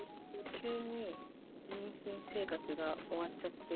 急に妊娠生活が終わっちゃって。